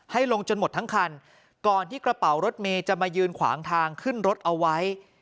ให้ลงจนหมดทั้งคันก่อนที่กระเป๋ารถเมย์จะมายืนขวางทางขึ้นรถเอาไว้